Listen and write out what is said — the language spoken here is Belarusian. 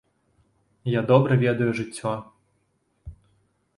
Я добра ведаю жыццё!